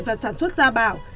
và sản xuất gia bảo